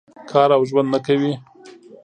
کار او ژوند نه کوي.